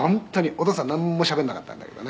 お義父さんなんもしゃべんなかったんだけどね」